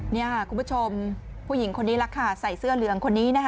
นี่ค่ะคุณผู้ชมผู้หญิงคนนี้ล่ะค่ะใส่เสื้อเหลืองคนนี้นะคะ